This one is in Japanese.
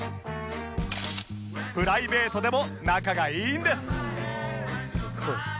プライベートでも仲がいいんです